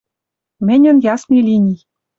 — Мӹньӹн ясный линий;